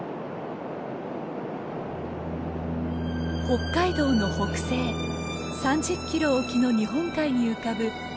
北海道の北西３０キロ沖の日本海に浮かぶ天売島。